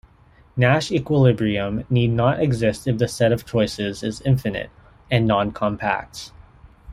Nash equilibrium need not exist if the set of choices is infinite and noncompact.